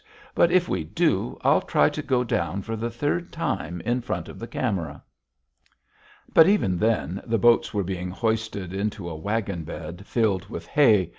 But if we do, I'll try to go down for the third time in front of the camera." But even then the boats were being hoisted into a wagon bed filled with hay.